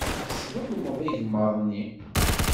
Tselḍem igmaḍ-nni.